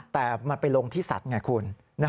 แต่มันไปลงที่สัตว์ไงคุณ